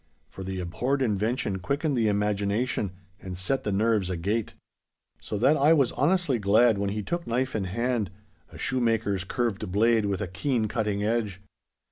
For the abhorred invention quickened the imagination and set the nerves agate. So that I was honestly glad when he took knife in hand—a shoemaker's curved blade with a keen cutting edge.